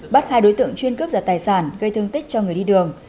bắt hai đối tượng chuyên cướp giật tài sản gây thương tích cho người đi đường